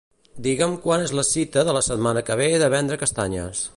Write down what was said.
Digue'm quan és la cita de la setmana que ve de vendre castanyes.